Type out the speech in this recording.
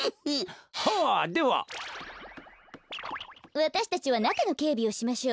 わたしたちはなかのけいびをしましょう。